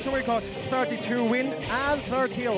จากกับนักชกในมุมแดงกันบ้างดีกว่านะครับ